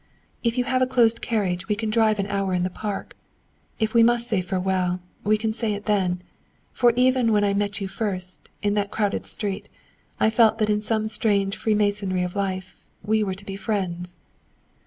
"If you have a closed carriage we can drive an hour in the park. If we must say farewell, we can say it then. For even when I met you first, in that crowded street, I felt that in some strange freemasonry of Life, we were to be friends."